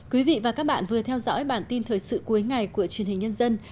quý vị và các bạn vừa theo dõi bản tin thời sự cuối ngày của truyền hình nhân dân